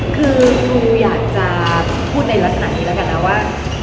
คือปูอยากจะพูดในลักษณะนี้แล้วกันนะว่า